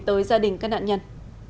tới gia đình các nạn nhân